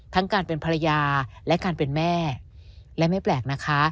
ทั้งการเป็นภรรยาและการเป็นแม่และไม่แปลกนะคะ